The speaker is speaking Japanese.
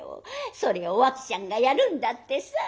それをお秋ちゃんがやるんだってさ。